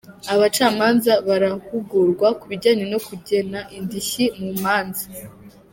Abacamanza barahugurwa ku bijyanye no kugena indishyi mu manza